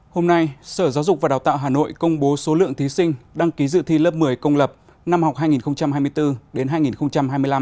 hôm nay sở giáo dục và đào tạo hà nội công bố số lượng thí sinh đăng ký dự thi lớp một mươi công lập năm học hai nghìn hai mươi bốn hai nghìn hai mươi năm